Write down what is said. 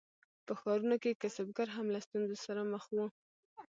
په ښارونو کې کسبګر هم له ستونزو سره مخ وو.